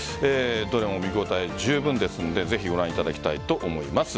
どれも見応え十分ですのでぜひご覧いただきたいと思います。